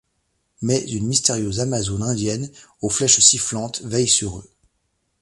Mais une mystérieuse amazone indienne, aux flèches sifflantes, veille sur eux.